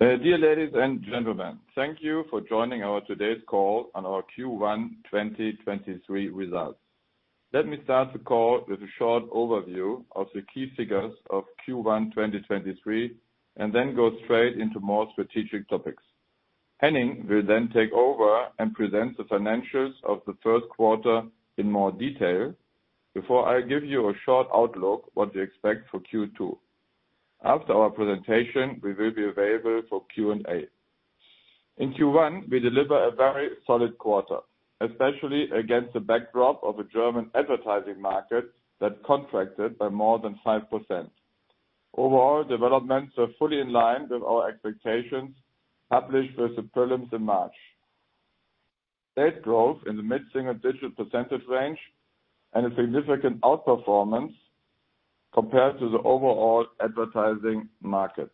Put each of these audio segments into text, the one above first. Dear ladies and gentlemen, thank you for joining our today's call on our Q1 2023 results. Let me start the call with a short overview of the key figures of Q1 2023, go straight into more strategic topics. Henning will take over and present the financials of the Q1 in more detail before I give you a short outlook what to expect for Q2. After our presentation, we will be available for Q&A. In Q1, we deliver a very solid quarter, especially against the backdrop of a German advertising market that contracted by more than 5%. Developments are fully in line with our expectations published with the prelims in March. State growth in the mid single-digit percentage range and a significant outperformance compared to the overall advertising market.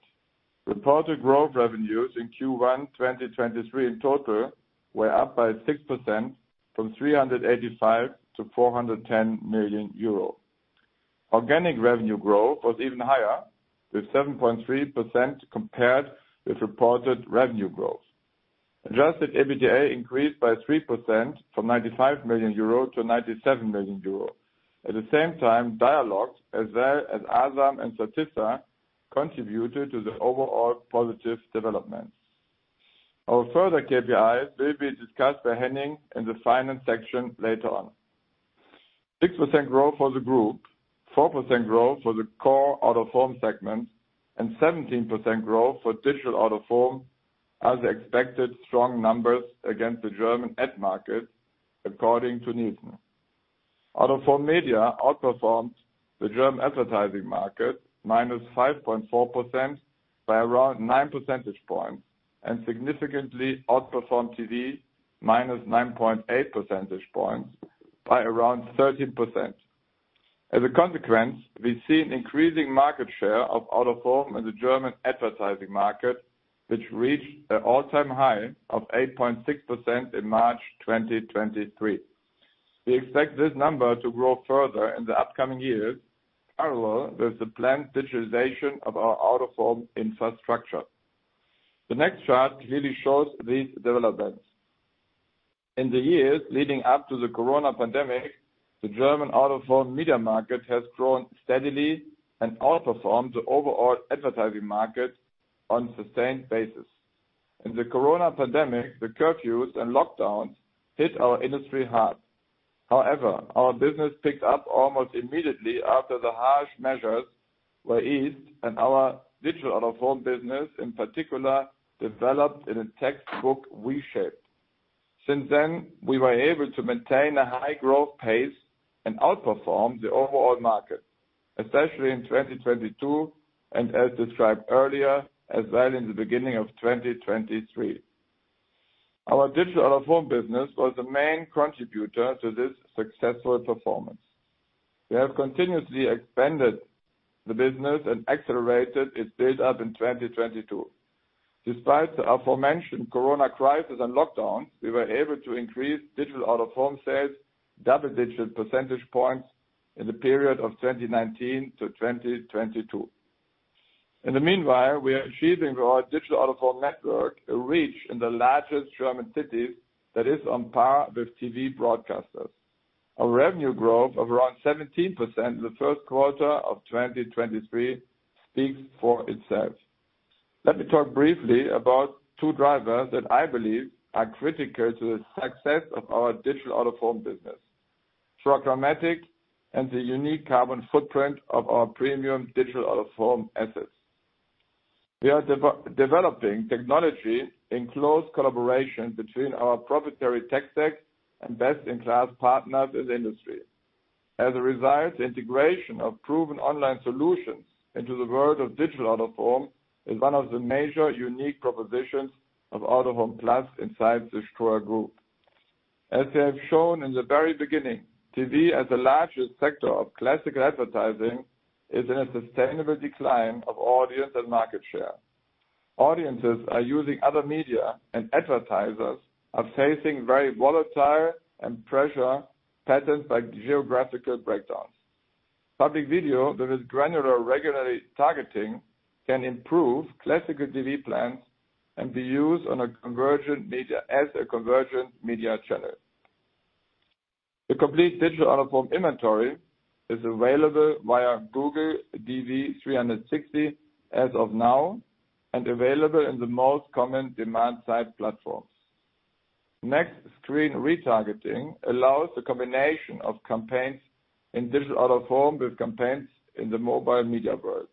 Reported growth revenues in Q1 2023 in total were up 6% from 385 million to 410 million euro. Organic revenue growth was even higher, with 7.3% compared with reported revenue growth. Adjusted EBITDA increased by 3% from 95 million euro to 97 million euro. At the same time, Dialog, as well as Asam and Statista, contributed to the overall positive developments. Our further KPIs will be discussed by Henning in the finance section later on. 6% growth for the group, 4% growth for the core Out-of-Home segment, and 17% growth for digital Out-of-Home as expected strong numbers against the German ad market according to Nielsen. Out-of-Home media outperformed the German advertising market -5.4% by around 9 percentage points, and significantly outperformed TV -9.8 percentage points by around 13%. As a consequence, we see an increasing market share of Out-of-Home in the German advertising market, which reached an all-time high of 8.6% in March 2023. We expect this number to grow further in the upcoming years, parallel with the planned digitalization of our Out-of-Home infrastructure. The next chart really shows these developments. In the years leading up to the corona pandemic, the German Out-of-Home media market has grown steadily and outperformed the overall advertising market on sustained basis. In the corona pandemic, the curfews and lockdowns hit our industry hard. However, our business picked up almost immediately after the harsh measures were eased, and our digital Out-of-Home business, in particular, developed in a textbook V-shape. We were able to maintain a high growth pace and outperform the overall market, especially in 2022, and as described earlier, as well in the beginning of 2023. Our digital Out-of-Home business was the main contributor to this successful performance. We have continuously expanded the business and accelerated its build-up in 2022. Despite the aforementioned corona crisis and lockdowns, we were able to increase digital Out-of-Home sales double digital percentage points in the period of 2019 to 2022. We are achieving our digital Out-of-Home network a reach in the largest German cities that is on par with TV broadcasters. Our revenue growth of around 17% in the Q1 of 2023 speaks for itself. Let me talk briefly about two drivers that I believe are critical to the success of our digital Out-of-Home business. StröerMatic and the unique carbon footprint of our premium digital Out-of-Home assets. We are developing technology in close collaboration between our proprietary tech stack and best-in-class partners in the industry. Integration of proven online solutions into the world of digital Out-of-Home is one of the major unique propositions of Out-of-Home plus inside the Ströer group. We have shown in the very beginning, TV as the largest sector of classical advertising is in a sustainable decline of audience and market share. Audiences are using other media. Advertisers are facing very volatile and pressure patterns by geographical breakdowns. Public video that is granular regularly targeting can improve classical TV plans and be used as a convergent media channel. The complete digital Out-of-Home inventory is available via Google DV360 as of now and available in the most common demand-side platforms. Next, screen retargeting allows the combination of campaigns in digital Out-of-Home with campaigns in the mobile media world.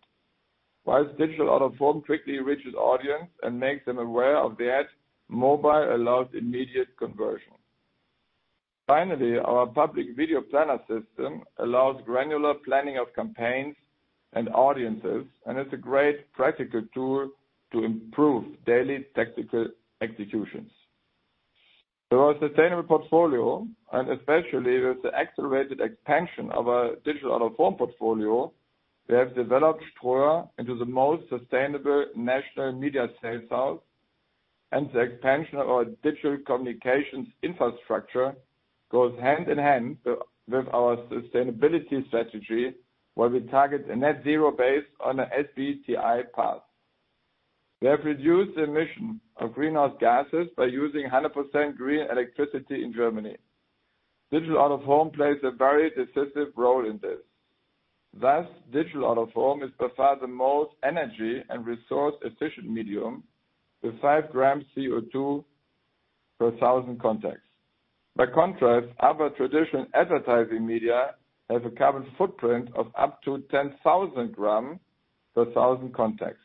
Whilst digital Out-of-Home quickly reaches audience and makes them aware of the ad, mobile allows immediate conversion. Finally, our public video planner system allows granular planning of campaigns and audiences and is a great practical tool to improve daily tactical executions. Through our sustainable portfolio, and especially with the accelerated expansion of our digital Out-of-Home portfolio, we have developed Ströer into the most sustainable national media sales house. The expansion of our digital communications infrastructure goes hand in hand with our sustainability strategy, where we target a net zero base on a SBTi path. We have reduced emission of greenhouse gases by using 100% green electricity in Germany. Digital Out-of-Home plays a very decisive role in this. Thus, digital Out-of-Home is by far the most energy and resource efficient medium, with 5 gm CO2 per 1,000 contacts. By contrast, other traditional advertising media has a carbon footprint of up to 10,000 gm per 1,000 contacts.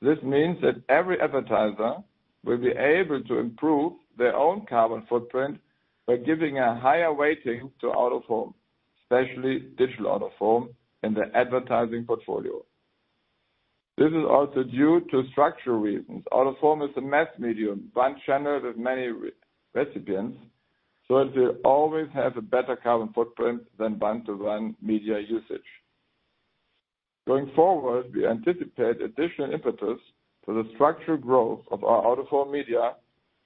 This means that every advertiser will be able to improve their own carbon footprint by giving a higher weighting to Out-of-Home, especially digital Out-of-Home, in their advertising portfolio. This is also due to structural reasons. Out-of-Home is a mass medium, one channel with many recipients, so it will always have a better carbon footprint than one-to-one media usage. Going forward, we anticipate additional impetus to the structural growth of our Out-of-Home media,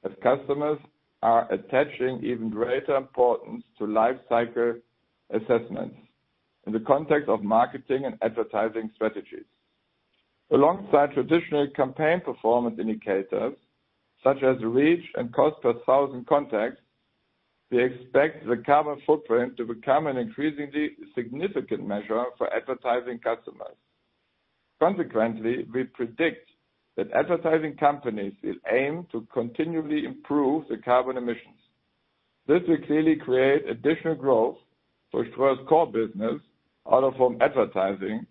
as customers are attaching even greater importance to life cycle assessments in the context of marketing and advertising strategies. Alongside traditional campaign performance indicators, such as reach and cost per 1,000 contacts, we expect the carbon footprint to become an increasingly significant measure for advertising customers. Consequently, we predict that advertising companies will aim to continually improve the carbon emissions. This will clearly create additional growth for Ströer's core business, Out-of-Home advertising,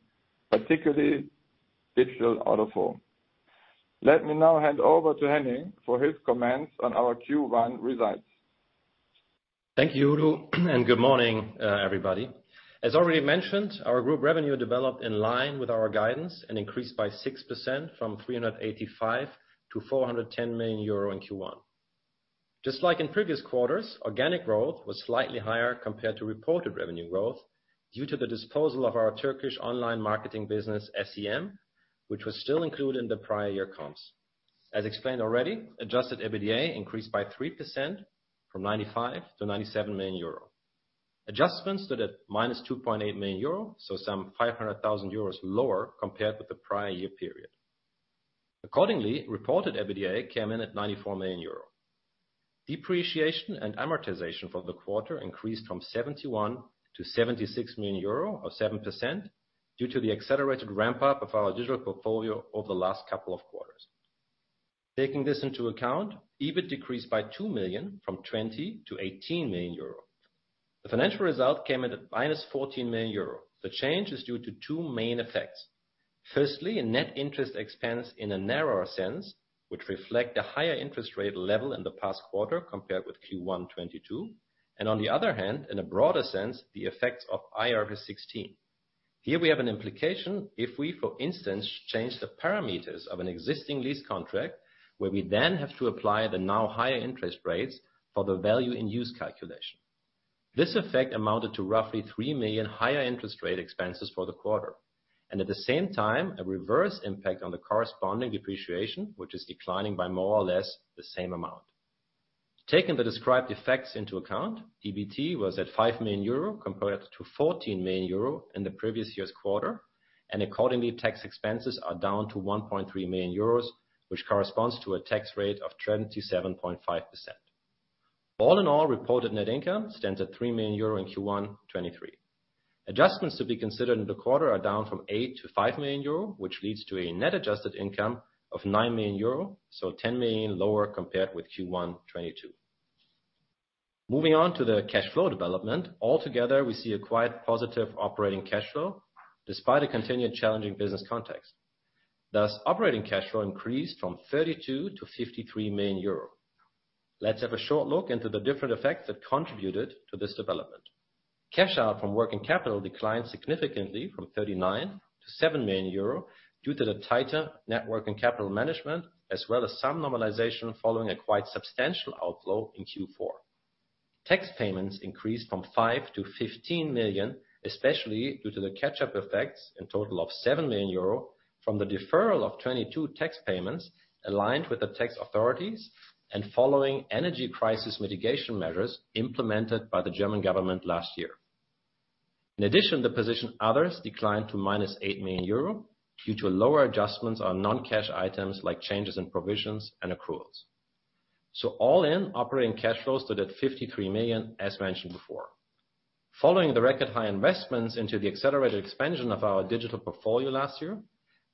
particularly digital Out-of-Home. Let me now hand over to Henning for his comments on our Q1 results. Thank you, Udo, and good morning, everybody. As already mentioned, our group revenue developed in line with our guidance and increased by 6% from 385 million to 410 million euro in Q1. Just like in previous quarters, organic growth was slightly higher compared to reported revenue growth due to the disposal of our Turkish online marketing business, SEM, which was still included in the prior year comps. As explained already, adjusted EBITDA increased by 3% from 95 million to 97 million euro. Adjustments stood at -2.8 million euro, so some 500,000 euros lower compared with the prior year period. Accordingly, reported EBITDA came in at 94 million euro. Depreciation and amortization for the quarter increased from 71 million to 76 million euro, or 7%, due to the accelerated ramp up of our digital portfolio over the last couple of quarters. Taking this into account, EBIT decreased by 2 million from 20 million-18 million euro. The financial result came in at -14 million euro. The change is due to two main effects. Firstly, a net interest expense in a narrower sense, which reflect the higher interest rate level in the past quarter compared with Q1 2022. On the other hand, in a broader sense, the effects of IFRS 16. Here we have an implication if we, for instance, change the parameters of an existing lease contract, where we then have to apply the now higher interest rates for the value in use calculation. This effect amounted to roughly 3 million higher interest rate expenses for the quarter. At the same time, a reverse impact on the corresponding depreciation, which is declining by more or less the same amount. Taking the described effects into account, EBT was at 5 million euro compared to 14 million euro in the previous year's quarter. Accordingly, tax expenses are down to 1.3 million euros, which corresponds to a tax rate of 27.5%. All in all, reported net income stands at 3 million euro in Q1 2023. Adjustments to be considered in the quarter are down from 8 million-5 million euro, which leads to a net adjusted income of 9 million euro, so 10 million lower compared with Q1 2022. Moving on to the cash flow development. Altogether, we see a quite positive operating cash flow, despite a continued challenging business context. Operating cash flow increased from 32 million-53 million euro. Let's have a short look into the different effects that contributed to this development. Cash out from working capital declined significantly from 39 million to 7 million euro due to the tighter net working capital management, as well as some normalization following a quite substantial outflow in Q4. Tax payments increased from 5 million to 15 million, especially due to the catch-up effects in total of 7 million euro from the deferral of 2022 tax payments aligned with the tax authorities and following energy crisis mitigation measures implemented by the German government last year. In addition, the position others declined to minus 8 million euro due to lower adjustments on non-cash items like changes in provisions and accruals. All in, operating cash flows stood at 53 million as mentioned before. Following the record high investments into the accelerated expansion of our digital portfolio last year,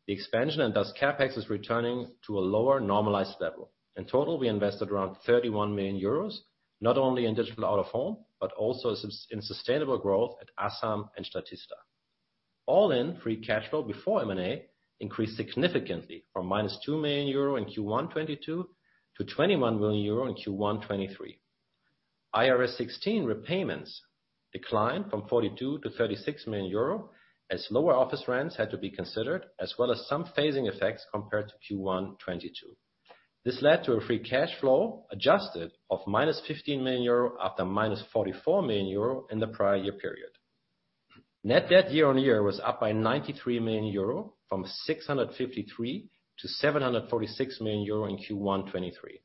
the expansion and thus CapEx is returning to a lower normalized level. In total, we invested around 31 million euros, not only in digital Out-of-Home, but also in sustainable growth at Asam and Statista. All in, free cash flow before M&A increased significantly from -2 million euro in Q1 2022 to 21 million euro in Q1 2023. IFRS 16 repayments declined from 42 million to 36 million euro as lower office rents had to be considered, as well as some phasing effects compared to Q1 2022. This led to a free cash flow adjusted of minus 15 million euro after -44 million euro in the prior year period. Net debt year-on-year was up by 93 million euro from 653 million to 746 million euro in Q1 2023.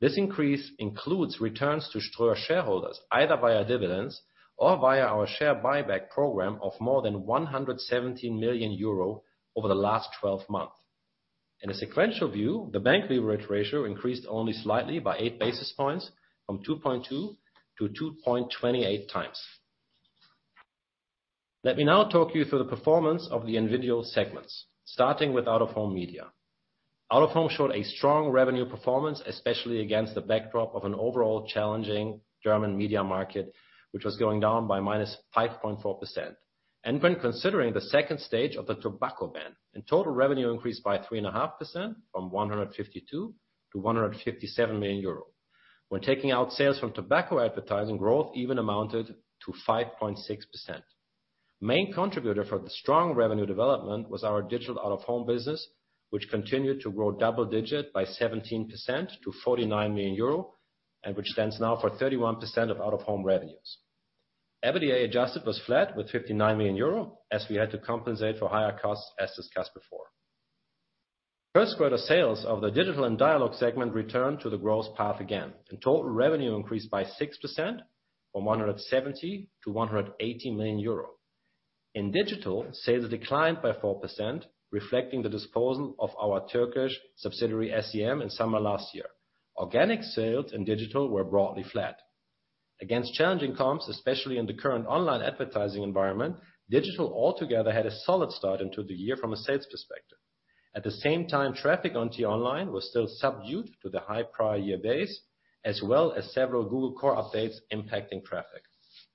This increase includes returns to Ströer shareholders, either via dividends or via our share buyback program of more than 170 million euro over the last 12 months. In a sequential view, the bank leverage ratio increased only slightly by 8 basis points from 2.2x to 2.28x. Let me now talk you through the performance of the individual segments, starting with Out-of-Home media. Out-of-Home showed a strong revenue performance, especially against the backdrop of an overall challenging German media market, which was going down by -5.4%. When considering the second stage of the tobacco ban, total revenue increased by 3.5% from 152 million to 157 million euros. When taking out sales from tobacco advertising, growth even amounted to 5.6%. Main contributor for the strong revenue development was our digital Out-of-Home business, which continued to grow double-digit by 17% to 49 million euro and which stands now for 31% of Out-of-Home revenues. EBITDA adjusted was flat with 59 million euro, as we had to compensate for higher costs, as discussed before. Q1 sales of the Digital and Dialog segment returned to the growth path again. In total, revenue increased by 6% from 170 million to 180 million euro. In digital, sales declined by 4%, reflecting the disposal of our Turkish subsidiary, SEM, in summer last year. Organic sales in digital were broadly flat. Against challenging comps, especially in the current online advertising environment, digital altogether had a solid start into the year from a sales perspective. At the same time, traffic on T-Online was still subdued to the high prior year base, as well as several Google core updates impacting traffic.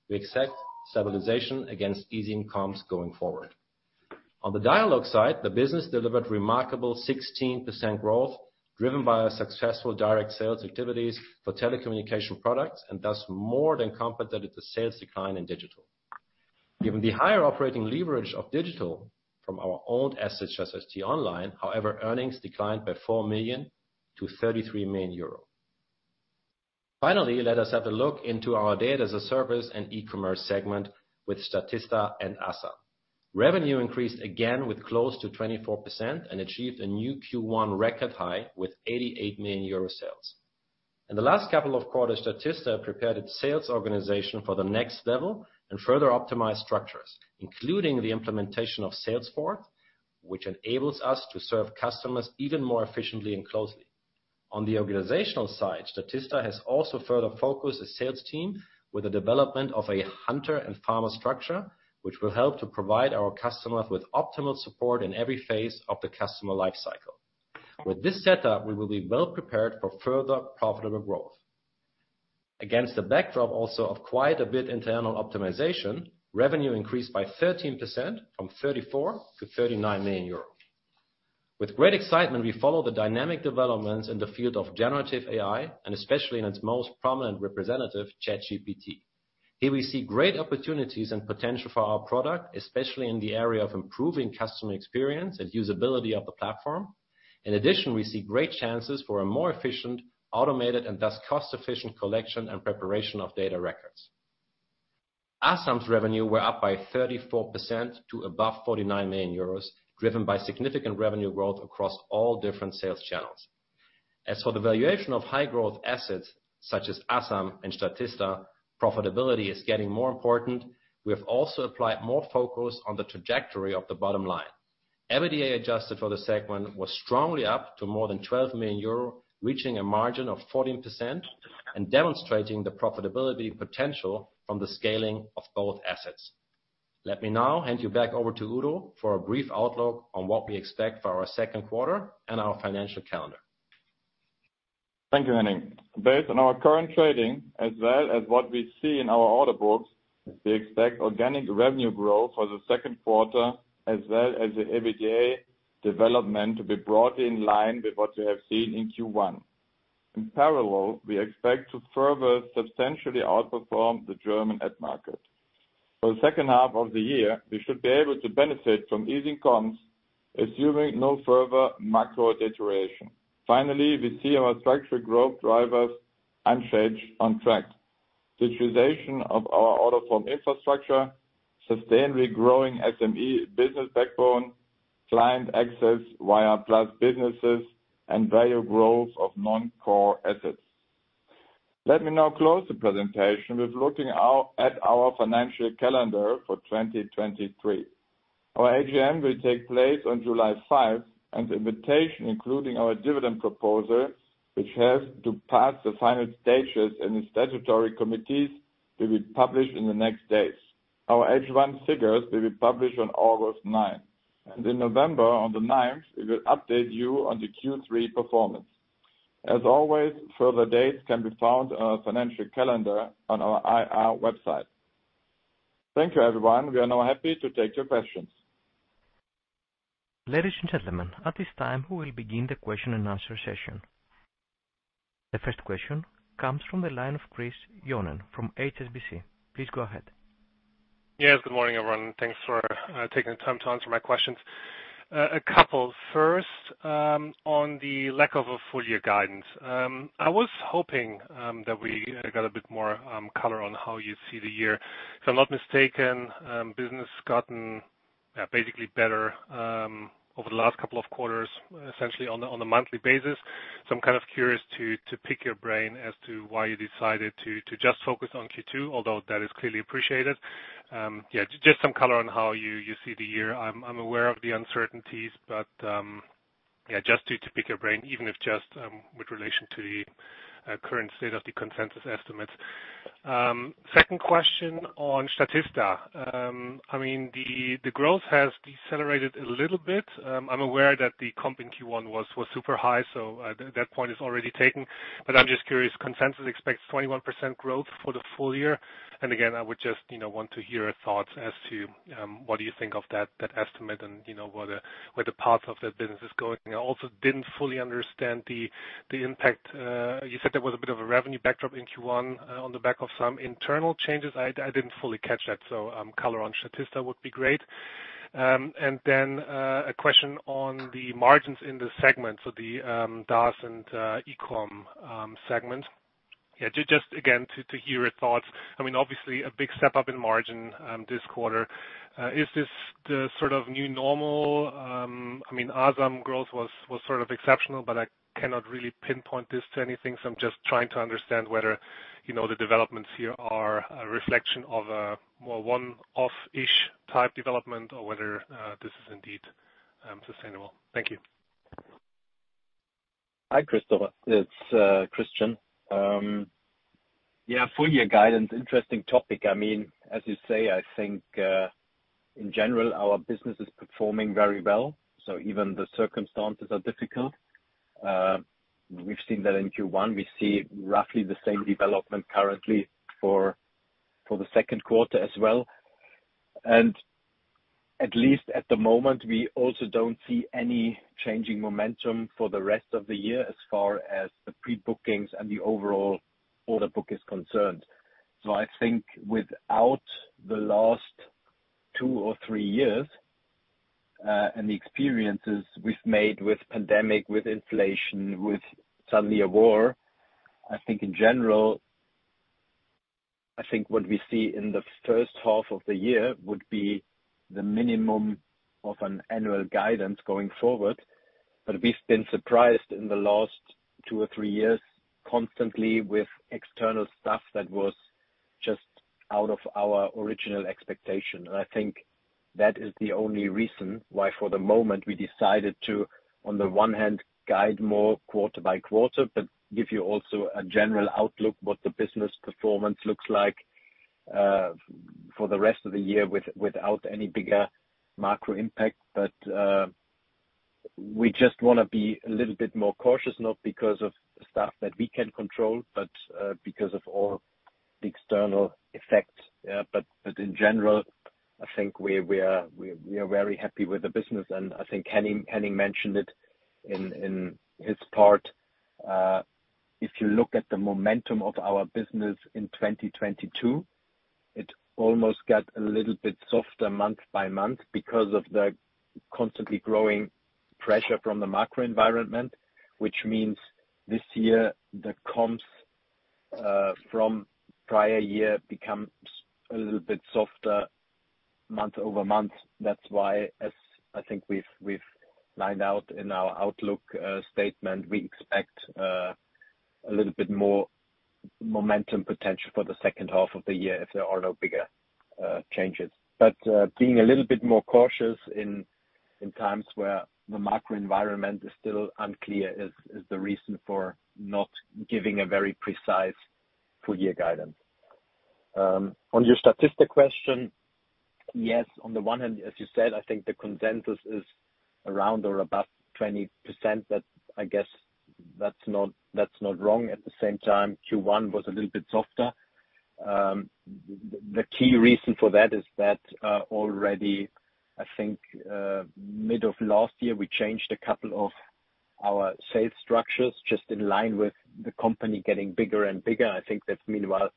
We expect stabilization against easing comps going forward. On the Dialog side, the business delivered remarkable 16% growth, driven by our successful direct sales activities for telecommunication products. Thus more than compensated the sales decline in digital. Given the higher operating leverage of digital from our own assets such as T-Online, however, earnings declined by 4 million to 33 million euro. Finally, let us have a look into our Data as a Service and e-commerce segment with Statista and Asam. Revenue increased again with close to 24% and achieved a new Q1 record high with 88 million euro sales. In the last couple of quarters, Statista prepared its sales organization for the next level and further optimized structures, including the implementation of Salesforce, which enables us to serve customers even more efficiently and closely. On the organizational side, Statista has also further focused the sales team with the development of a hunter and farmer structure, which will help to provide our customers with optimal support in every phase of the customer life cycle. With this setup, we will be well prepared for further profitable growth. Against the backdrop also of quite a bit internal optimization, revenue increased by 13% from 34 million-39 million euros. With great excitement, we follow the dynamic developments in the field of generative AI and especially in its most prominent representative, ChatGPT. Here we see great opportunities and potential for our product, especially in the area of improving customer experience and usability of the platform. In addition, we see great chances for a more efficient, automated and thus cost-efficient collection and preparation of data records. Asam's revenue were up by 34% to above 49 million euros, driven by significant revenue growth across all different sales channels. As for the valuation of high growth assets, such as Asam and Statista, profitability is getting more important. We have also applied more focus on the trajectory of the bottom line. EBITDA adjusted for the segment was strongly up to more than 12 million euro, reaching a margin of 14% and demonstrating the profitability potential from the scaling of both assets. Let me now hand you back over to Udo for a brief outlook on what we expect for our Q2 and our financial calendar. Thank you, Henning. Based on our current trading as well as what we see in our order books, we expect organic revenue growth for the Q2 as well as the EBITDA development to be broadly in line with what you have seen in Q1. In parallel, we expect to further substantially outperform the German ad market. For the second half of the year, we should be able to benefit from easing comps, assuming no further macro deterioration. Finally, we see our structural growth drivers unchanged on track. Digitalization of our Out-of-Home infrastructure, sustainably growing SME business backbone, client access via Plus businesses, and value growth of non-core assets. Let me now close the presentation with looking out at our financial calendar for 2023. Our AGM will take place on July 5, and the invitation, including our dividend proposal, which has to pass the final stages in the statutory committees, will be published in the next days. Our H1 figures will be published on August 9. In November, on the 9th, we will update you on the Q3 performance. As always, further dates can be found on our financial calendar on our IR website. Thank you, everyone. We are now happy to take your questions. Ladies and gentlemen, at this time, we will begin the Q&A session. The first question comes from the line of Christopher Johnen from HSBC. Please go ahead. Yes, good morning, everyone. Thanks for taking the time to answer my questions. A couple. First, on the lack of a full-year guidance. I was hoping that we got a bit more color on how you see the year. If I'm not mistaken, business has gotten basically better over the last couple of quarters, essentially on the monthly basis. I'm kind of curious to pick your brain as to why you decided to just focus on Q2, although that is clearly appreciated. Yeah, just some color on how you see the year. I'm aware of the uncertainties, but yeah, just to pick your brain, even if just with relation to the current state of the consensus estimates. Second question on Statista. I mean, the growth has decelerated a little bit. I'm aware that the comp in Q1 was super high, that point is already taken. I'm just curious, consensus expects 21% growth for the full-year. Again, I would just, you know, want to hear your thoughts as to what do you think of that estimate and, you know, where the parts of that business is going. I also didn't fully understand the impact. You said there was a bit of a revenue backdrop in Q1 on the back of some internal changes. I didn't fully catch that. Color on Statista would be great. A question on the margins in the segment. The DaaS and eCom segment. Yeah, just again, to hear your thoughts. I mean, obviously a big step up in margin this quarter. Is this the sort of new normal? I mean, Asam growth was sort of exceptional, but I cannot really pinpoint this to anything. So I'm just trying to understand whether, you know, the developments here are a reflection of, well, one-off-ish type development or whether this is indeed sustainable. Thank you. Hi, Christopher. It's Christian. Yeah, full-year guidance, interesting topic. I mean, as you say, I think, in general, our business is performing very well. Even the circumstances are difficult. We've seen that in Q1. We see roughly the same development currently for the Q2 as well. At least at the moment, we also don't see any changing momentum for the rest of the year as far as the pre-bookings and the overall order book is concerned. I think without the last two or three years, and the experiences we've made with pandemic, with inflation, with suddenly a war, I think in general, I think what we see in the first half of the year would be the minimum of an annual guidance going forward. We've been surprised in the last two or three years constantly with external stuff that was just out of our original expectation. I think that is the only reason why for the moment we decided to, on the one hand, guide more quarter-by-quarter, but give you also a general outlook, what the business performance looks like for the rest of the year without any bigger macro impact. We just wanna be a little bit more cautious, not because of stuff that we can control, but because of all the external effects. In general, I think we are very happy with the business. I think Henning mentioned it in his part. If you look at the momentum of our business in 2022, it almost got a little bit softer month-by-month because of the constantly growing pressure from the macro environment, which means this year, the comps from prior year becomes a little bit softer month-over-month. As I think we've lined out in our outlook statement, we expect a little bit more momentum potential for the second half of the year if there are no bigger changes. Being a little bit more cautious in times where the macro environment is still unclear is the reason for not giving a very precise full-year guidance. On your Statista question, yes, on the one hand, as you said, I think the consensus is around or above 20%. That, I guess, that's not wrong. At the same time, Q1 was a little bit softer. The key reason for that is that already, I think, mid of last year, we changed a couple of our sales structures just in line with the company getting bigger and bigger. I think that's meanwhile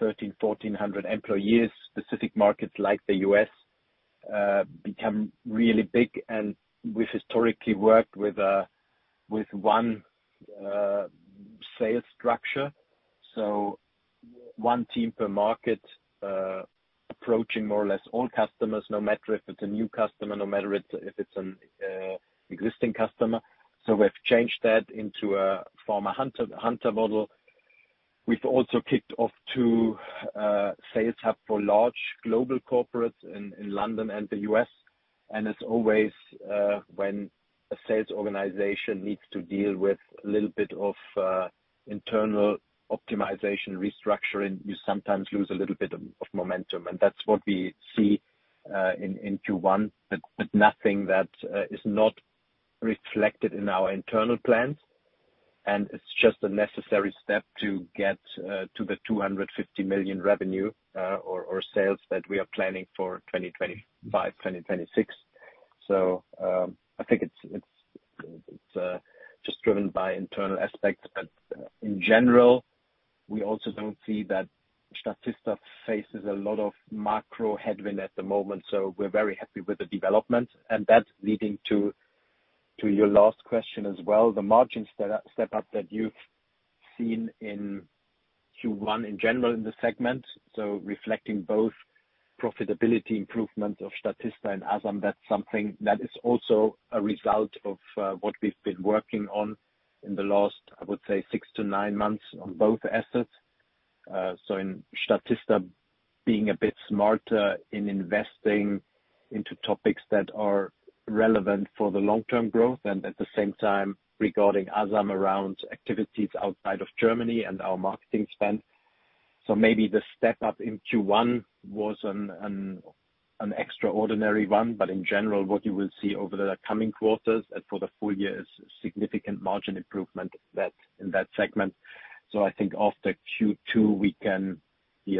1,300-1,400 employees. Specific markets like the U.S. become really big, and we've historically worked with one sales structure. One team per market, approaching more or less all customers, no matter if it's a new customer, no matter if it's an existing customer. We've changed that into a former hunter model. We've also kicked off to a sales hub for large global corporates in London and the U.S. As always, when a sales organization needs to deal with a little bit of internal optimization restructuring, you sometimes lose a little bit of momentum. That's what we see in Q1, but nothing that is not reflected in our internal plans. It's just a necessary step to get to the 250 million revenue or sales that we are planning for 2025-2026. I think it's just driven by internal aspects. In general, we also don't see that Statista faces a lot of macro headwind at the moment. We're very happy with the development. That's leading to your last question as well, the margins step-up that you've seen in Q1 in general in the segment. Reflecting both profitability improvement of Statista and Asam, that's something that is also a result of what we've been working on in the last, I would say, six to nine months on both assets. In Statista being a bit smarter in investing into topics that are relevant for the long-term growth and at the same time regarding Asam around activities outside of Germany and our marketing spend. Maybe the step up in Q1 was an extraordinary one. In general, what you will see over the coming quarters and for the full-year is significant margin improvement in that segment. I think after Q2, we can be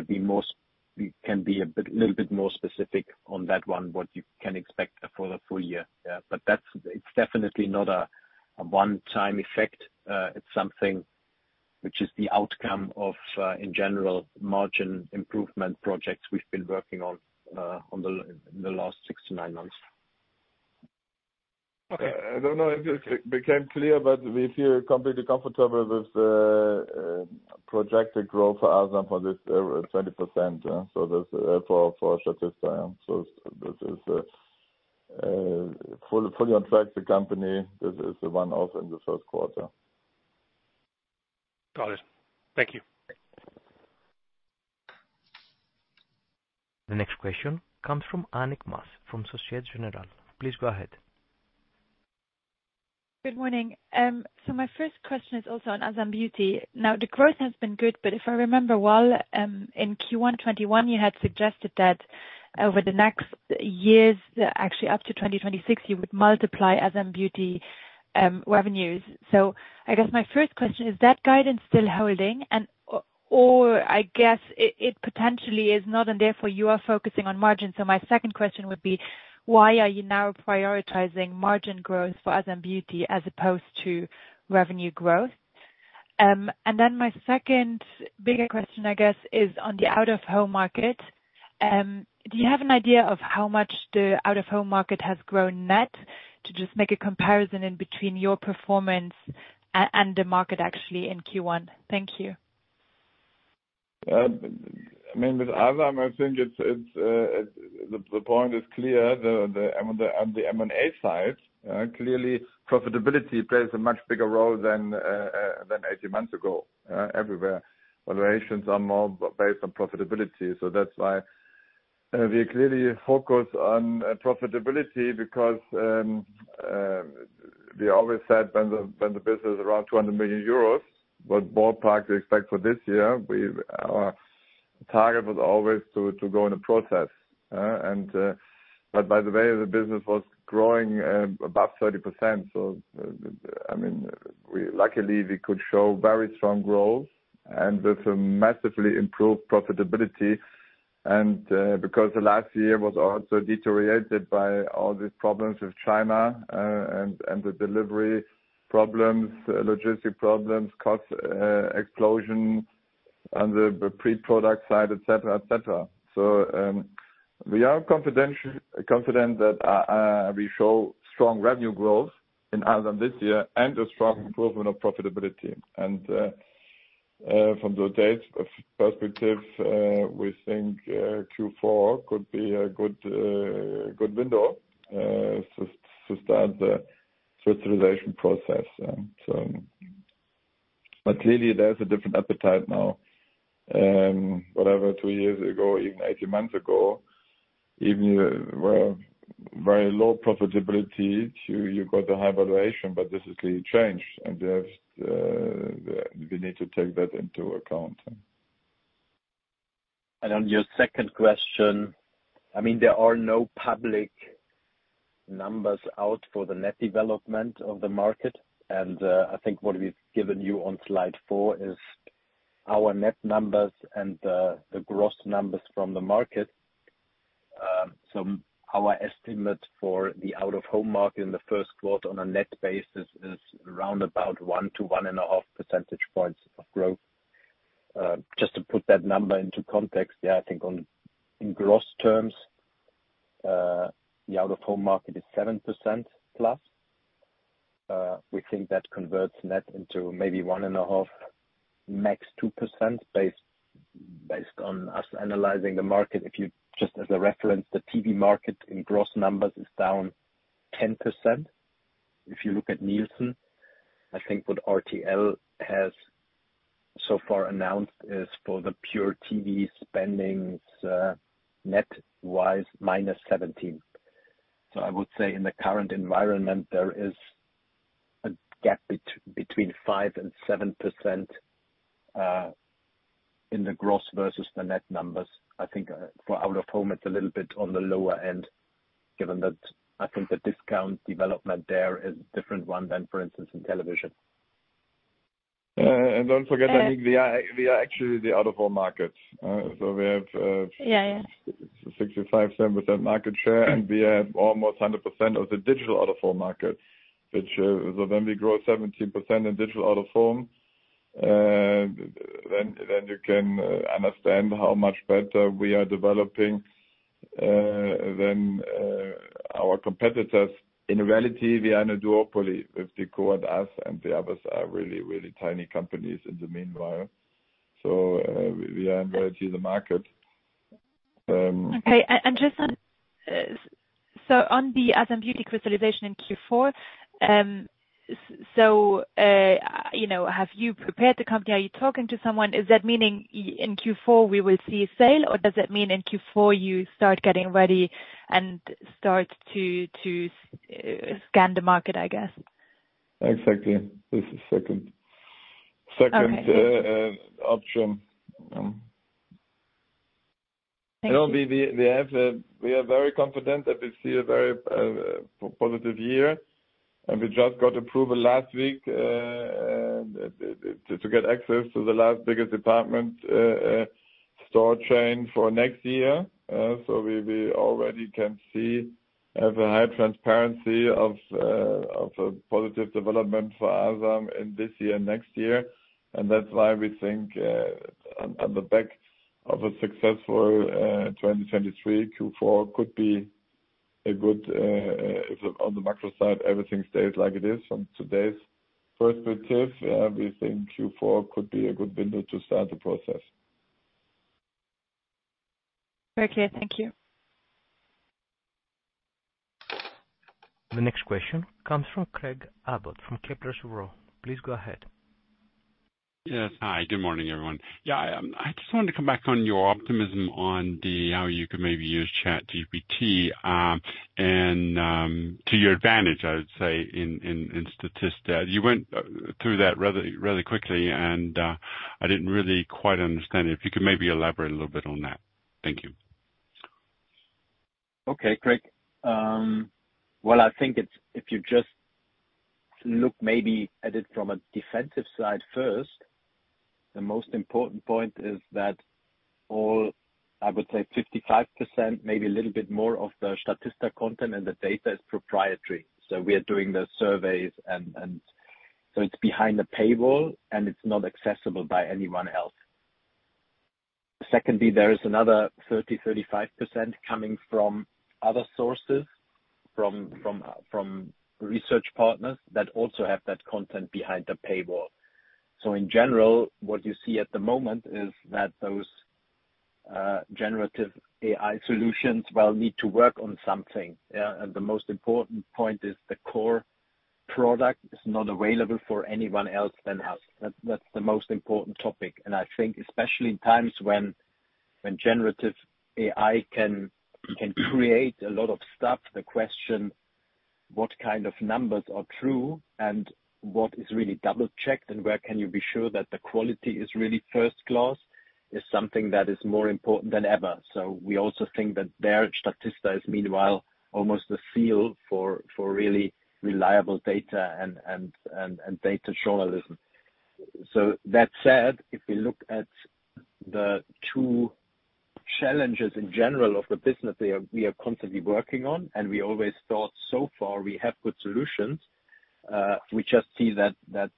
a bit, little bit more specific on that one, what you can expect for the full-year. It's definitely not a one-time effect. It's something which is the outcome of, in general, margin improvement projects we've been working in the last six to nine months. Okay. I don't know if it became clear, but we feel completely comfortable with the projected growth for Asam for this 20%. That's for Statista. This is fully on track, the company. This is a one-off in the Q1. Got it. Thank you. The next question comes from Annick Maas from Societe Generale. Please go ahead. Good morning. My first question is also on Asam Beauty. Now, the growth has been good, but if I remember well, in Q1 2021, you had suggested that over the next years, actually up to 2026, you would multiply Asam Beauty revenues. I guess my first question, is that guidance still holding? Or I guess it potentially is not, and therefore you are focusing on margin. My second question would be, why are you now prioritizing margin growth for Asam Beauty as opposed to revenue growth? Then my second bigger question, I guess, is on the Out-of-Home market. Do you have an idea of how much the Out-of-Home market has grown net to just make a comparison in between your performance and the market actually in Q1? Thank you. I mean, with Asam, I think it's the point is clear. On the M&A side, clearly profitability plays a much bigger role than 18 months ago everywhere. Valuations are more based on profitability. That's why we clearly focus on profitability because we always said when the business is around 200 million euros, what ballpark we expect for this year, our target was always to go in the process. But by the way, the business was growing above 30%. I mean, luckily, we could show very strong growth and with a massively improved profitability. Because the last year was also deteriorated by all these problems with China, and the delivery problems, logistic problems, cost explosion on the pre-product side, et cetera, et cetera. We are confident that we show strong revenue growth in Asam this year and a strong improvement of profitability. From the date perspective, we think Q4 could be a good window to start the stabilization process. Clearly, there's a different appetite now. Whatever, two years ago, even 18 months ago, even with a very low profitability, you got a high valuation, but this has really changed. We have, we need to take that into account. On your second question, I mean, there are no public numbers out for the net development of the market. I think what we've given you on slide 4 is our net numbers and the gross numbers from the market. Our estimate for the Out-of-Home market in the Q1 on a net basis is around about 1% to 1.5 percentage points of growth. Just to put that number into context, yeah, I think in gross terms, the Out-of-Home market is 7%+. We think that converts net into maybe 1.5%, max 2% based on us analyzing the market. Just as a reference, the TV market in gross numbers is down 10%. If you look at Nielsen, I think what RTL has so far announced is for the pure TV spendings, net-wise, -17%. I would say in the current environment, there is a gap between 5% and 7% in the gross versus the net numbers. I think for Out-of-Home, it's a little bit on the lower end, given that I think the discount development there is different one than, for instance, in television. Don't forget, I think we are actually the Out-of-Home markets. Yeah. 65%-70% market share, and we have almost 100% of the digital Out-of-Home market, which, so when we grow 17% in digital Out-of-Home, then you can understand how much better we are developing than our competitors. In reality, we are in a duopoly with JCDecaux, us, and the others are really, really tiny companies in the meanwhile. We are in virtually the market. Okay. On the Asam Beauty crystallization in Q4, so, you know, have you prepared the company? Are you talking to someone? Is that meaning in Q4 we will see a sale, or does it mean in Q4 you start getting ready and start to scan the market, I guess? Exactly. It's the second. Okay. option. Thank you. No, we have we are very confident that we see a very positive year, we just got approval last week to get access to the last biggest department store chain for next year. We already can see, have a high transparency of a positive development for Asam in this year, next year. That's why we think on the back of a successful 2023, Q4 could be a good if on the macro side, everything stays like it is from today's perspective, we think Q4 could be a good window to start the process. Very clear. Thank you. The next question comes from Craig Abbott from Kepler Cheuvreux. Please go ahead. Yes. Hi, good morning, everyone. Yeah. I just wanted to come back on your optimism on the how you could maybe use ChatGPT and to your advantage, I would say in Statista. You went through that rather quickly, and I didn't really quite understand it. If you could maybe elaborate a little bit on that. Thank you. Okay, Craig. Well, I think it's if you just look maybe at it from a defensive side first, the most important point is that all, I would say 55%, maybe a little bit more of the Statista content and the data is proprietary. We are doing the surveys and so it's behind the paywall, and it's not accessible by anyone else. Secondly, there is another 30%-35% coming from other sources, from research partners that also have that content behind the paywall. In general, what you see at the moment is that those generative AI solutions will need to work on something. The most important point is the core product is not available for anyone else than us. That's the most important topic. I think especially in times when generative AI can create a lot of stuff, the question what kind of numbers are true and what is really double-checked and where can you be sure that the quality is really first class is something that is more important than ever. We also think that there Statista is meanwhile almost the feel for really reliable data and data journalism. That said, if we look at the two challenges in general of the business we are constantly working on, and we always thought so far we have good solutions, we just see that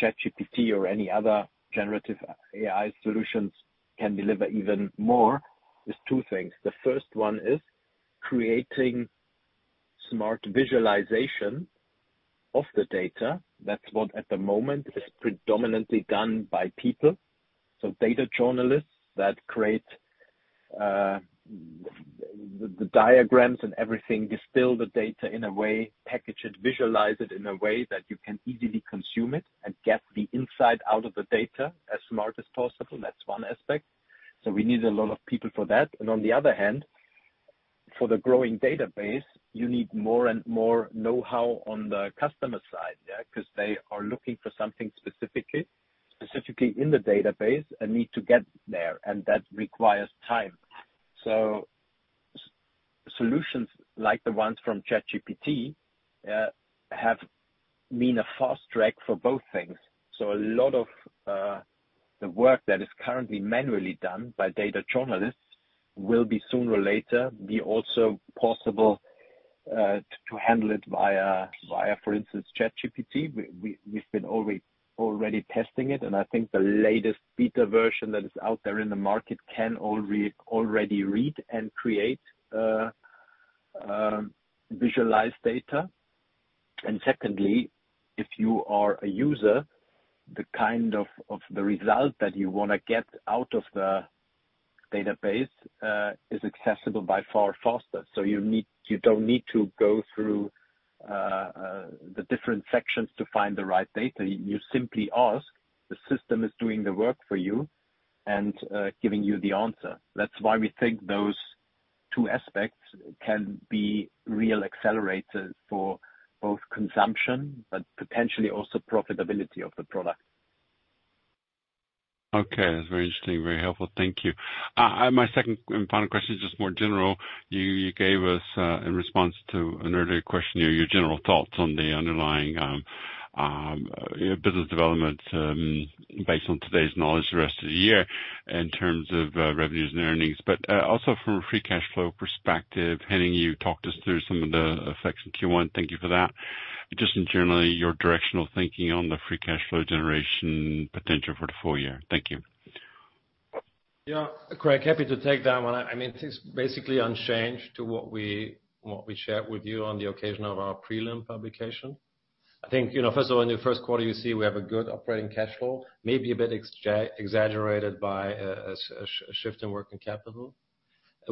ChatGPT or any other generative AI solutions can deliver even more. There's two things. The first one is creating smart visualization of the data. That's what at the moment is predominantly done by people. Data journalists that create the diagrams and everything, distill the data in a way, package it, visualize it in a way that you can easily consume it and get the insight out of the data as smart as possible. That's one aspect. We need a lot of people for that. And on the other hand, for the growing database, you need more and more know-how on the customer side, yeah, because they are looking for something specifically in the database and need to get there, and that requires time. Solutions like the ones from ChatGPT have been a fast track for both things. A lot of the work that is currently manually done by data journalists will be sooner or later be also possible to handle it via, for instance, ChatGPT. We've been already testing it, and I think the latest beta version that is out there in the market can already read and create, visualize data. Secondly, if you are a user, the kind of the result that you wanna get out of the database is accessible by far faster. You don't need to go through the different sections to find the right data. You simply ask, the system is doing the work for you and giving you the answer. That's why we think those two aspects can be real accelerators for both consumption, but potentially also profitability of the product. Okay. That's very interesting. Very helpful. Thank you. My second and final question is just more general. You gave us in response to an earlier question, you know, your general thoughts on the underlying business development based on today's knowledge the rest of the year in terms of revenues and earnings, but also from a free cash flow perspective, Henning, you talked us through some of the effects in Q1. Thank you for that. Just in general, your directional thinking on the free cash flow generation potential for the full-year. Thank you. Craig, happy to take that one. I mean, it's basically unchanged to what we, what we shared with you on the occasion of our prelim publication. I think, you know, first of all, in the Q1, you see we have a good operating cash flow, maybe a bit exaggerated by a shift in working capital.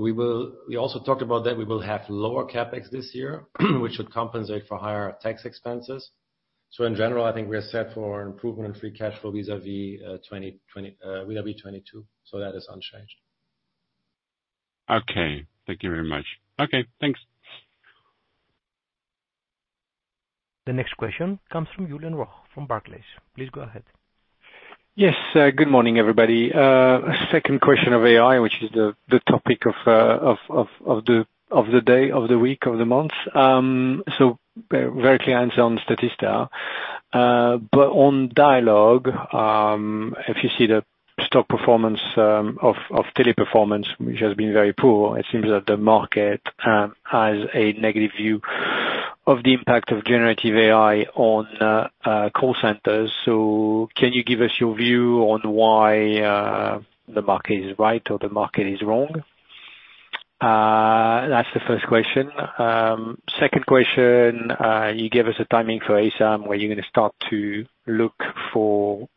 We also talked about that we will have lower CapEx this year, which should compensate for higher tax expenses. In general, I think we are set for an improvement in free cash flow vis-à-vis 2020, vis-à-vis 2022. That is unchanged. Okay. Thank you very much. Okay, thanks. The next question comes from Julien Roch from Barclays. Please go ahead. Yes. Good morning, everybody. Second question of AI, which is the topic of the day, of the week, of the month. Very clear answer on Statista. On Dialog, if you see the stock performance of Teleperformance, which has been very poor, it seems that the market has a negative view of the impact of generative AI on call centers. Can you give us your view on why the market is right or the market is wrong? That's the first question. Second question, you gave us a timing for Asam, where you're gonna start to look for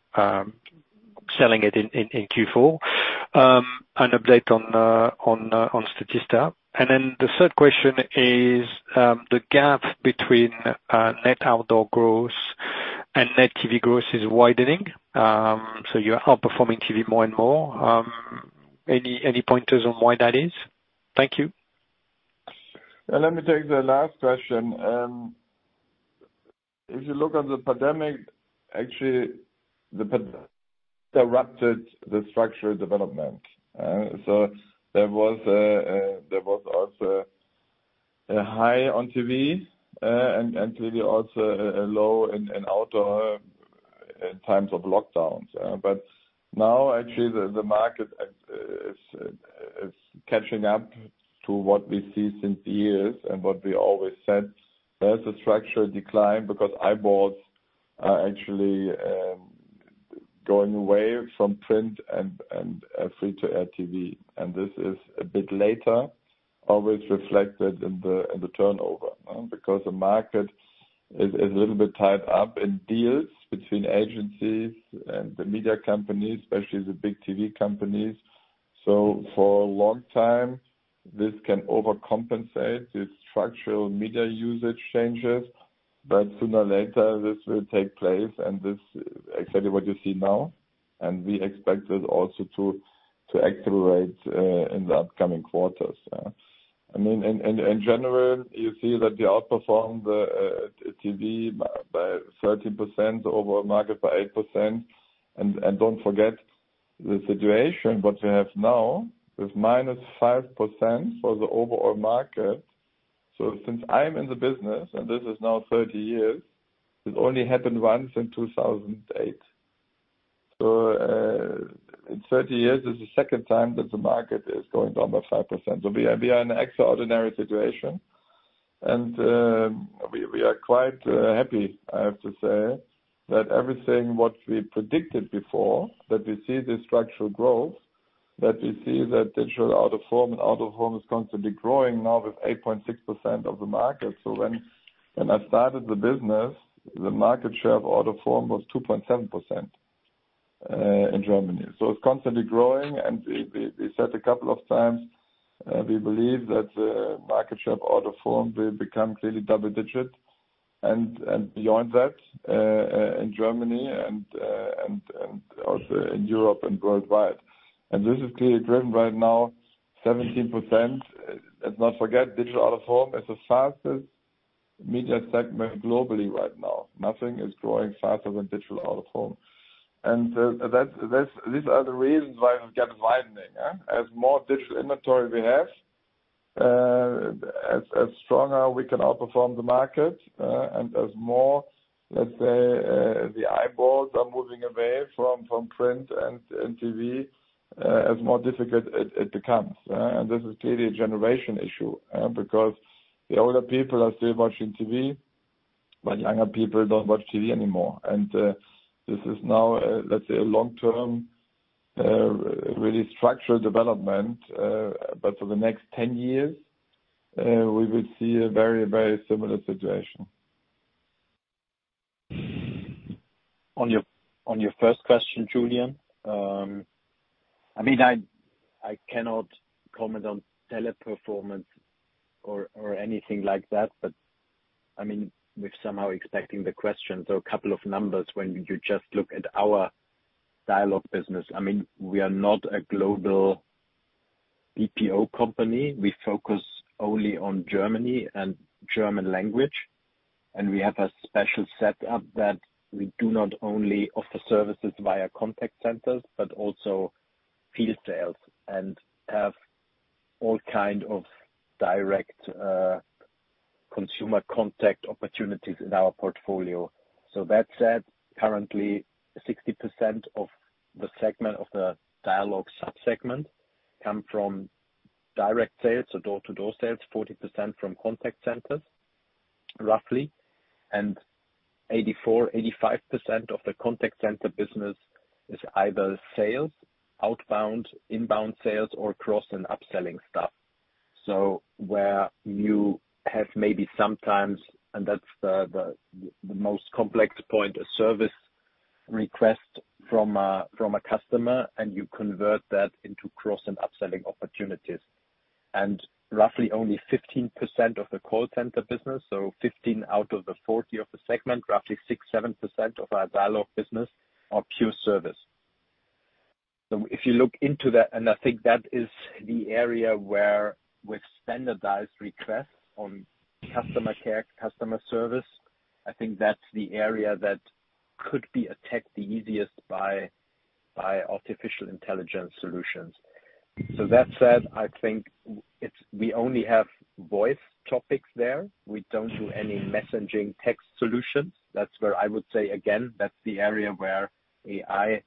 selling it in Q4. An update on Statista. The third question is, the gap between net outdoor growth and net TV growth is widening. You are outperforming TV more and more. Any pointers on why that is? Thank you. Let me take the last question. If you look at the pandemic, actually, the pan disrupted the structural development. There was also a high on TV, and TV also, low in Outdoor in times of lockdowns. Now actually the market is catching up to what we see since years and what we always said. There's a structural decline because eyeballs are actually going away from print and free-to-air TV. This is a bit later, always reflected in the turnover, because the market is a little bit tied up in deals between agencies and the media companies, especially the big TV companies. For a long time, this can overcompensate the structural media usage changes. Sooner or later, this will take place. This exactly what you see now, and we expect it also to accelerate in the upcoming quarters. I mean, in general, you see that we outperformed the TV by 13%, overall market by 8%. Don't forget the situation what we have now with -5% for the overall market. Since I'm in the business, and this is now 30 years, it only happened once in 2008. In 30 years, this is the second time that the market is going down by 5%. We are in extraordinary situation, and we are quite happy, I have to say, that everything what we predicted before, that we see the structural growth, that we see that digital Out-of-Home and Out-of-Home is constantly growing now with 8.6% of the market. When I started the business, the market share of Out-of-Home was 2.7% in Germany. It's constantly growing. We said a couple of times, we believe that market share of Out-of-Home will become clearly double-digit and beyond that in Germany and also in Europe and worldwide. This is clearly driven right now 17%. Let's not forget, digital Out-of-Home is the fastest media segment globally right now. Nothing is growing faster than digital Out-of-Home. These are the reasons why we get widening, yeah. As more digital inventory we have, as stronger we can outperform the market, and as more, let's say, the eyeballs are moving away from print and TV, as more difficult it becomes. This is clearly a generation issue because the older people are still watching TV, but younger people don't watch TV anymore. This is now, let's say a long-term, really structural development, but for the next 10 years, we will see a very, very similar situation. On your first question, Julian, I mean, I cannot comment on Teleperformance or anything like that, but I mean, we're somehow expecting the question. A couple of numbers when you just look at our Dialog business, I mean, we are not a global BPO company. We focus only on Germany and German language, we have a special set up that we do not only offer services via contact centers, but also field sales and have all kind of direct consumer contact opportunities in our portfolio. That said, currently 60% of the segment of the Dialog sub-segment come from direct sales, so door-to-door sales, 40% from contact centers, roughly. 84%-85% of the contact center business is either sales, outbound, inbound sales, or cross and upselling stuff. Where you have maybe sometimes, and that's the most complex point, a service request from a customer, and you convert that into cross and upselling opportunities. Roughly only 15% of the call center business, so 15 out of the 40 of the segment, roughly 6%, 7% of our Dialog business are pure service. If you look into that, and I think that is the area where with standardized requests on customer care, customer service, I think that's the area that could be attacked the easiest by artificial intelligence solutions. That said, I think we only have voice topics there. We don't do any messaging text solutions. That's where I would say again, that's the area where AI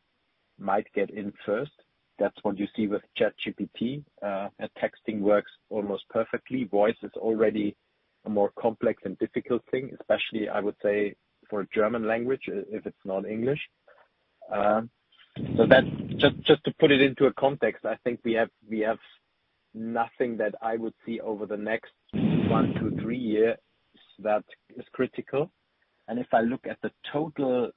might get in first. That's what you see with ChatGPT. Texting works almost perfectly. Voice is already a more complex and difficult thing, especially, I would say, for German language, if it's not English. That's, just to put it into a context, I think we have nothing that I would see over the next one to three years that is critical. If I look at the total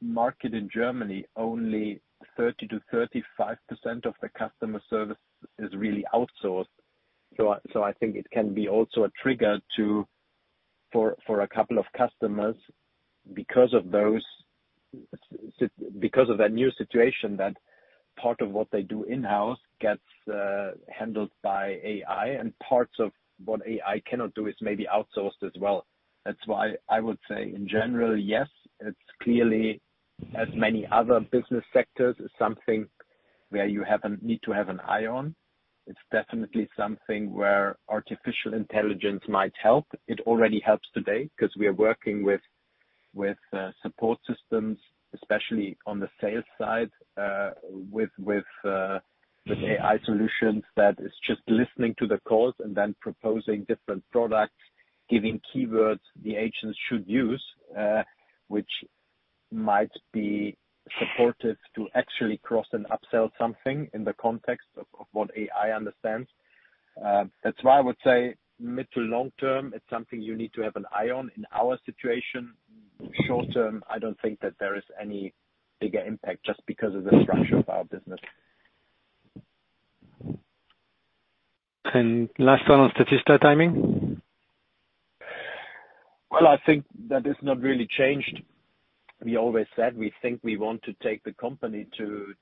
market in Germany, only 30%-35% of the customer service is really outsourced. I think it can be also a trigger to, for a couple of customers because of that new situation, that part of what they do in-house gets handled by AI. Parts of what AI cannot do is maybe outsourced as well. That's why I would say in general, yes, it's clearly as many other business sectors, is something where you need to have an eye on. It's definitely something where artificial intelligence might help. It already helps today 'cause we are working with support systems, especially on the sales side, with AI solutions that is just listening to the calls and then proposing different products, giving keywords the agents should use, which might be supportive to actually cross and upsell something in the context of what AI understands. That's why I would say mid to long term, it's something you need to have an eye on. In our situation, short term, I don't think that there is any bigger impact just because of the structure of our business. Last one on Statista timing. Well, I think that has not really changed. We always said we think we want to take the company to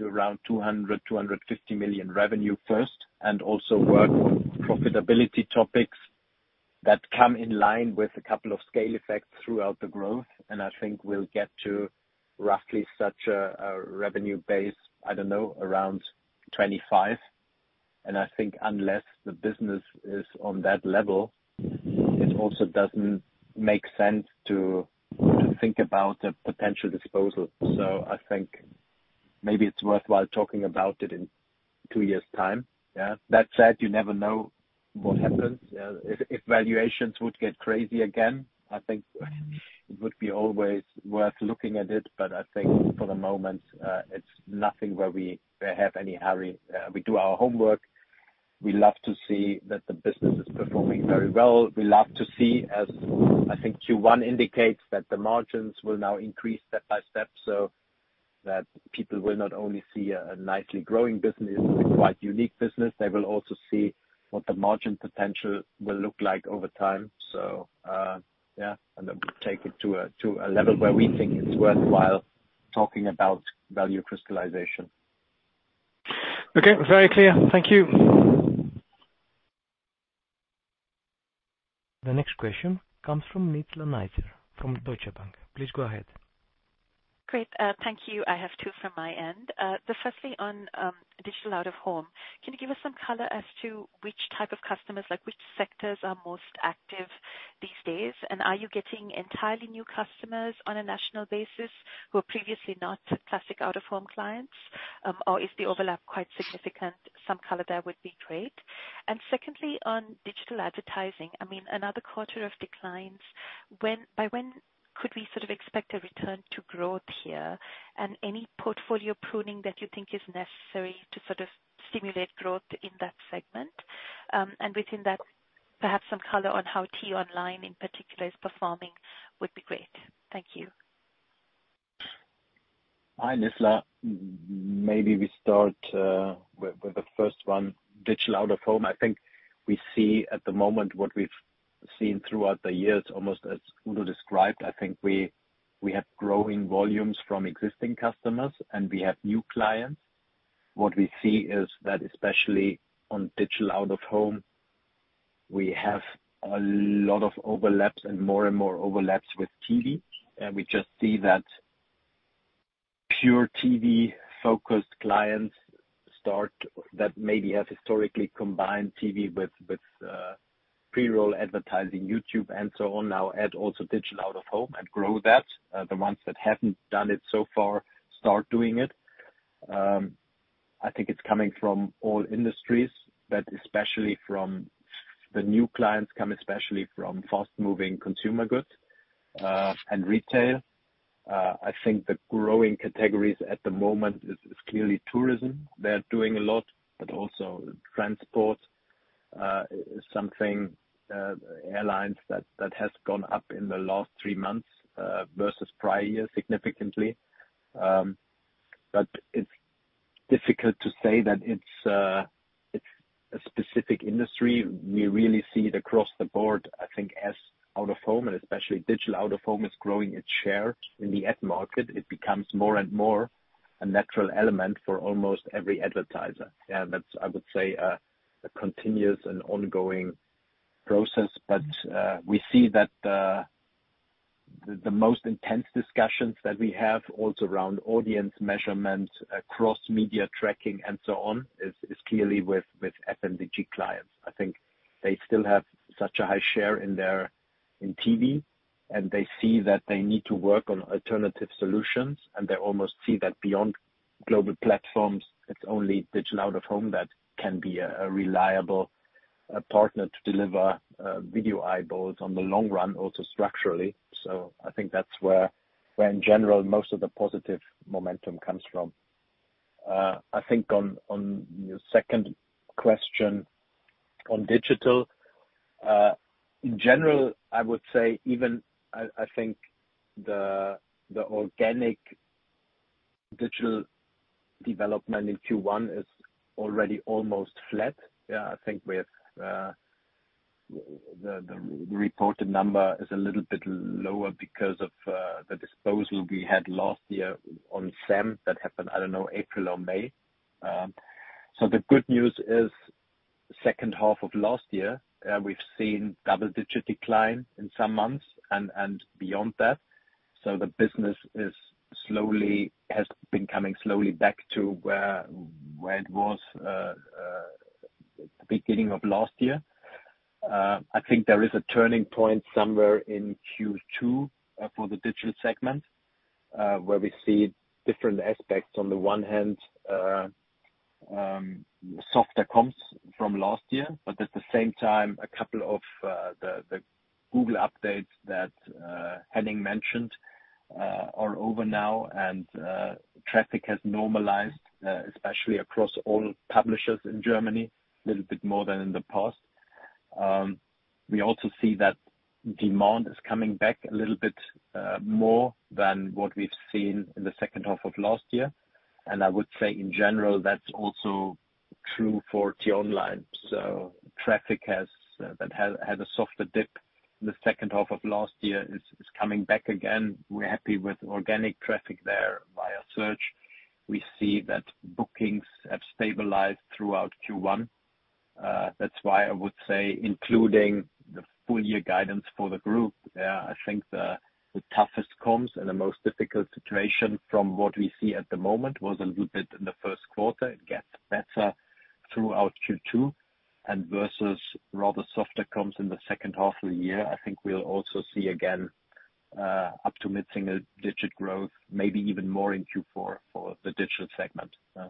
around 200 million-250 million revenue first, and also work on profitability topics that come in line with a couple of scale effects throughout the growth. I think we'll get to roughly such a revenue base, I don't know, around 2025. I think unless the business is on that level, it also doesn't make sense to think about a potential disposal. I think maybe it's worthwhile talking about it in two years time. Yeah. That said, you never know what happens. If valuations would get crazy again, I think it would be always worth looking at it. I think for the moment, it's nothing where we have any hurry. We do our homework. We love to see that the business is performing very well. We love to see as I think Q1 indicates that the margins will now increase step-by-step, so that people will not only see a nicely growing business, a quite unique business, they will also see what the margin potential will look like over time. Yeah, we take it to a level where we think it's worthwhile talking about value crystallization. Okay, very clear. Thank you. The next question comes from Nizla Naizer from Deutsche Bank. Please go ahead. Great. Thank you. I have two from my end. Firstly on digital Out-of-Home. Can you give us some color as to which type of customers, like which sectors are most active these days? Are you getting entirely new customers on a national basis who were previously not classic Out-of-Home clients? Or is the overlap quite significant? Some color there would be great. Secondly, on digital advertising, I mean, another quarter of declines. By when could we sort of expect a return to growth here? Any portfolio pruning that you think is necessary to sort of stimulate growth in that segment. Within that, perhaps some color on how T-Online in particular is performing would be great. Thank you. Hi, Nizla. Maybe we start with the first one. Digital Out-of-Home. I think we see at the moment what we've seen throughout the years, almost as Udo described, I think we have growing volumes from existing customers, and we have new clients. What we see is that especially on digital Out-of-Home, we have a lot of overlaps and more and more overlaps with TV. We just see that pure TV-focused clients start that maybe have historically combined TV with pre-roll advertising, YouTube, and so on now add also digital Out-of-Home and grow that. The ones that haven't done it so far start doing it. I think it's coming from all industries, but especially from the new clients come especially from fast-moving consumer goods and retail. I think the growing categories at the moment is clearly tourism. They're doing a lot, but also transport is something airlines that has gone up in the last three months versus prior years significantly. It's difficult to say that it's a specific industry. We really see it across the board, I think, as Out-of-Home, and especially digital Out-of-Home is growing its share in the ad market. It becomes more and more a natural element for almost every advertiser. Yeah, that's I would say a continuous and ongoing process. We see that the most intense discussions that we have also around audience measurement, across media tracking and so on is clearly with FMCG clients. I think they still have such a high share in TV. They see that they need to work on alternative solutions. They almost see that beyond global platforms, it's only digital Out-of-Home that can be a reliable partner to deliver video eyeballs on the long run, also structurally. I think that's where in general, most of the positive momentum comes from. I think on your second question on digital in general, I would say even I think the organic digital development in Q1 is already almost flat. Yeah, I think with the reported number is a little bit lower because of the disposal we had last year on SEM. That happened, I don't know, April or May. The good news is second half of last year, we've seen double-digit decline in some months and beyond that. The business has been coming slowly back to where it was beginning of last year. I think there is a turning point somewhere in Q2 for the digital segment, where we see different aspects. On the one hand, softer comps from last year, but at the same time, a couple of the Google updates that Henning mentioned are over now and traffic has normalized, especially across all publishers in Germany a little bit more than in the past. We also see that demand is coming back a little bit more than what we've seen in the second half of last year. I would say in general, that's also true for T-Online. Traffic has had a softer dip the second half of last year is coming back again. We're happy with organic traffic there via search. We see that bookings have stabilized throughout Q1. That's why I would say including the full-year guidance for the group, I think the toughest comps and the most difficult situation from what we see at the moment was a little bit in the Q1. It gets better throughout Q2. Versus rather softer comps in the second half of the year, I think we'll also see again up to mid-single digit growth, maybe even more in Q4 for the digital segment. I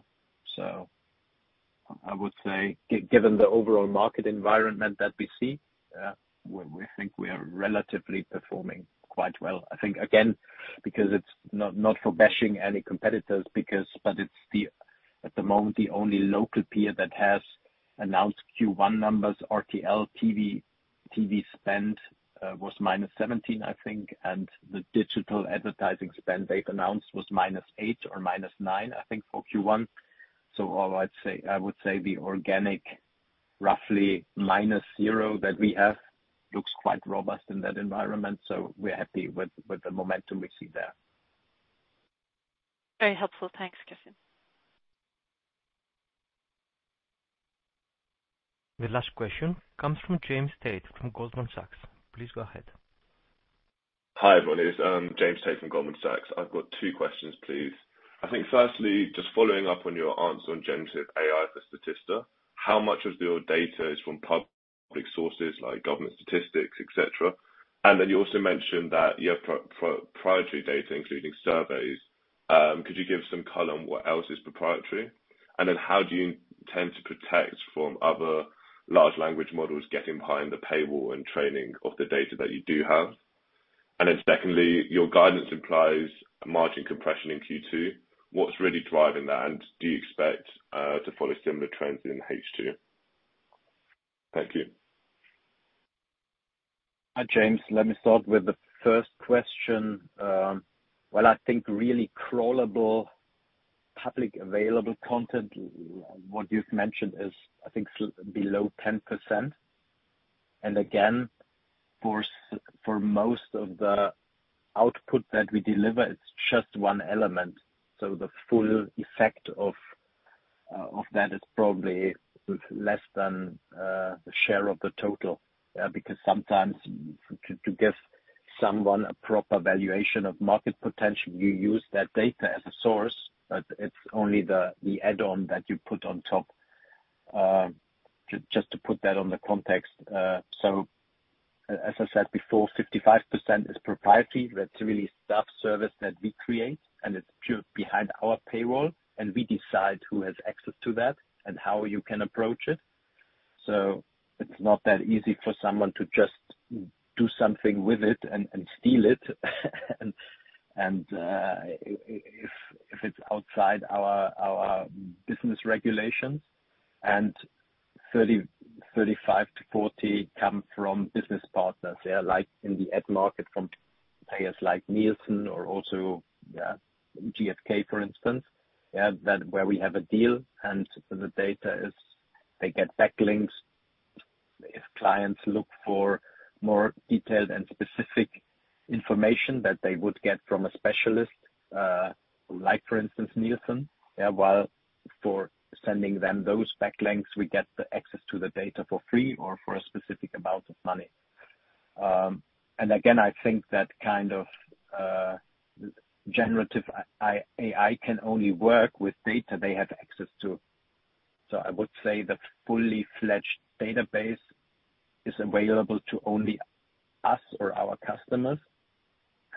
would say given the overall market environment that we see, we think we are relatively performing quite well. I think again, because it's not for bashing any competitors because—it's the, at the moment, the only local peer that has announced Q1 numbers, RTL TV spend, was -17%, I think, and the digital advertising spend they've announced was -8% or -9%, I think, for Q1. I would say the organic roughly -0% that we have looks quite robust in that environment. We're happy with the momentum we see there. Very helpful. Thanks, Christian. The last question comes from James Tait from Goldman Sachs. Please go ahead. Hi, everyone. It's James Tait from Goldman Sachs. I've got two questions, please. I think firstly, just following up on your answer on generative AI for Statista, how much of your data is from public sources like government statistics, et cetera? You also mentioned that you have proprietary data, including surveys. Could you give some color on what else is proprietary? How do you tend to protect from other large language models getting behind the paywall and training of the data that you do have? Secondly, your guidance implies a margin compression in Q2. What's really driving that? Do you expect to follow similar trends in H2? Thank you. Hi, James. Let me start with the first question. Well, I think really crawlable public available content, what you've mentioned is, I think, below 10%. Again, for most of the output that we deliver, it's just one element. The full effect of that is probably less than the share of the total. Because sometimes to give someone a proper valuation of market potential, you use that data as a source, but it's only the add-on that you put on top. Just to put that on the context. As I said before, 55% is proprietary. That's really staff service that we create, and it's built behind our payroll, and we decide who has access to that and how you can approach it. It's not that easy for someone to just do something with it and steal it. If it's outside our business regulations. 35-40 come from business partners. They are like in the ad market from players like Nielsen or also GfK, for instance. That where we have a deal and the data is they get back links. If clients look for more detailed and specific information that they would get from a specialist, like for instance, Nielsen. While for sending them those back links, we get the access to the data for free or for a specific amount of money. Again, I think that kind of generative AI can only work with data they have access to. I would say the fully-fledged database is available to only us or our customers,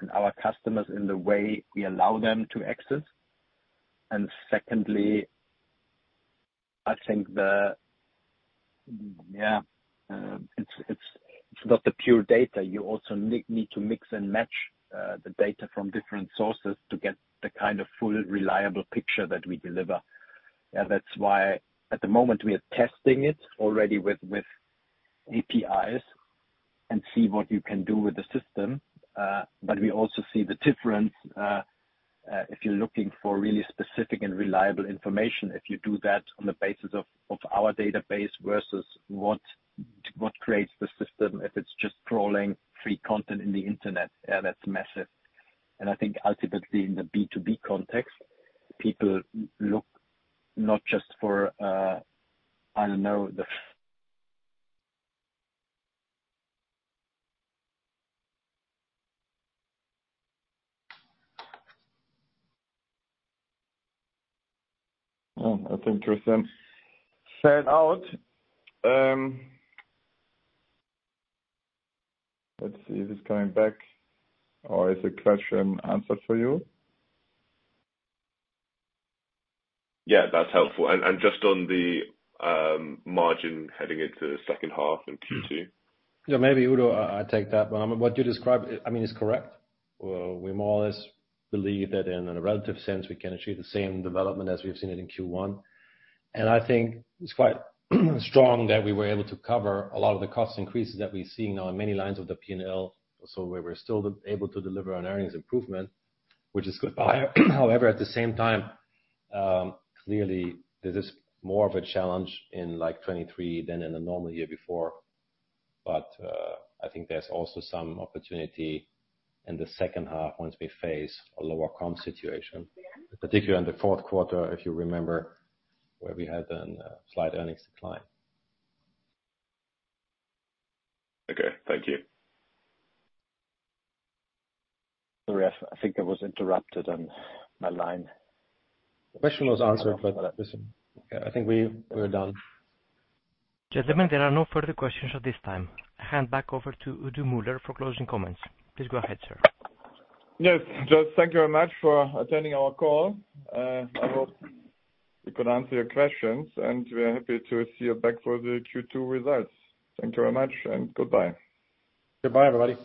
and our customers in the way we allow them to access. Secondly, I think it's not the pure data. You also need to mix and match the data from different sources to get the kind of full, reliable picture that we deliver. That's why at the moment we are testing it already with APIs and see what you can do with the system. But we also see the difference if you're looking for really specific and reliable information, if you do that on the basis of our database versus what creates the system. If it's just crawling free content in the Internet, that's massive. I think ultimately in the B2B context, people look not just for, I don't know, the Oh, that's interesting. Set out. Let's see if it's coming back or is the question answered for you? Yeah, that's helpful. Just on the margin heading into second half in Q2. Yeah, maybe, Udo, I take that. I mean, what you described, I mean, is correct. We more or less believe that in a relative sense we can achieve the same development as we've seen it in Q1. I think it's quite strong that we were able to cover a lot of the cost increases that we're seeing now in many lines of the P&L. We're still able to deliver on earnings improvement, which is good. However, at the same time, clearly this is more of a challenge in like 2023 than in the normal year before. I think there's also some opportunity in the second half once we face a lower comm situation, particularly in the Q4, if you remember, where we had a slight earnings decline. Okay. Thank you. The ref, I think I was interrupted on my line. Question was answered, but listen, I think we were done. Gentlemen, there are no further questions at this time. Hand back over to Udo Müller for closing comments. Please go ahead, sir. Yes. Just thank you very much for attending our call. I hope we could answer your questions, and we are happy to see you back for the Q2 results. Thank you very much and goodbye. Goodbye, everybody.